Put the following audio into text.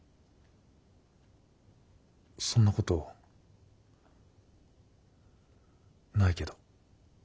そんなことないけど。